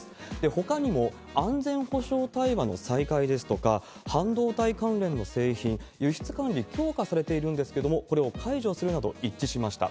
ほかにも、安全保障対話の再開ですとか、半導体関連の製品、輸出管理強化されているんですけれども、これを解除するなど、一致しました。